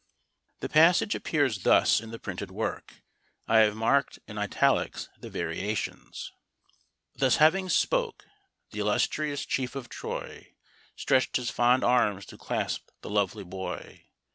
The passage appears thus in the printed work. I have marked in Italics the variations. Thus having spoke, the illustrious chief of Troy Stretch'd his fond arms to clasp the lovely boy.